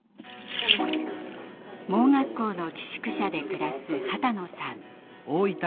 盲学校の寄宿舎で暮らす波多野さん。